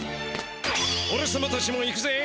おれさまたちも行くぜ。